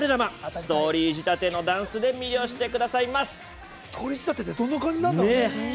ストーリー仕立てのダンスで魅了してくださいます